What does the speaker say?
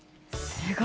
すごい。